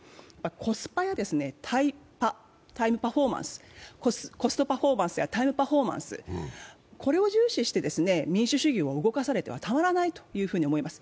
コスパやタイパ、コストパフォーマンスやタイムパフォーマンス、これを重視して民主主義を動かされてはたまらないと思います。